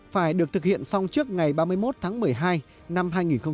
phải được thực hiện xong trước ngày ba mươi một tháng một mươi hai năm hai nghìn một mươi chín